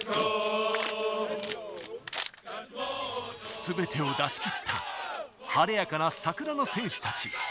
全てを出し切った、晴れやかな桜の戦士たち。